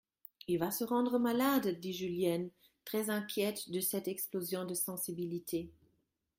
Il va se rendre malade ! dit Julienne, très inquiète de cette explosion de sensibilité.